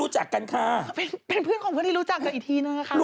จากกันค่ะเป็นเพื่อนที่รู้จักเยอะไหร่